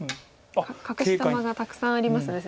隠し玉がたくさんありますね先生。